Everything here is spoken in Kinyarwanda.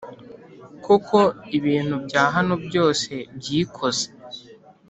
koko ibintu bya hano byose byiikoze,